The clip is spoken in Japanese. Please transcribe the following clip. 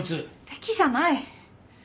敵じゃない！